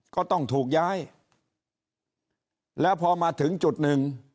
ก็ต้องถูกย้ายแล้วพอมาถึงจุดหนึ่ง